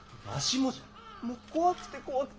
もう怖くて怖くて。